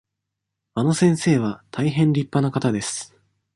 あの先生は大変りっぱな方です。